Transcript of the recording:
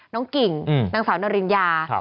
น้องกิ่งนางสาวนรินยา